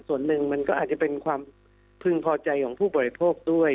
ส่วนหนึ่งมันก็อาจจะเป็นความพึงพอใจของผู้บริโภคด้วย